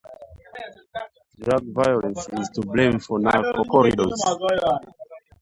Drug violence is to blame for narcocorridos.